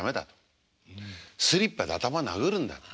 スリッパで頭殴るんだと。